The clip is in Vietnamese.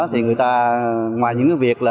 thì người ta ngoài những việc